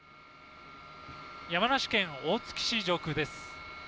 山梨県大月市上空です。